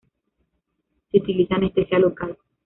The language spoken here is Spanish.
Se utiliza anestesia local.